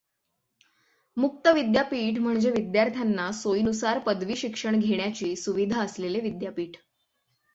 मुक्त विद्यापीठ म्हणजे विद्यार्थ्यांना सोईनुसार पदवी शिक्षण घेण्याची सुविधा असलेले विद्यापीठ.